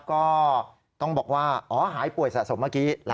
ก็ต้องบอกว่าหายป่วยสะสมเมื่อกี้๑๘๐๐๐๐๐นะ